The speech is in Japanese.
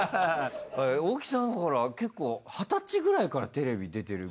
大木さんほら結構２０歳くらいからテレビ出てる？